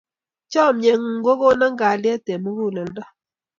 Chamnyengung ko kona kalyet eng muguleldo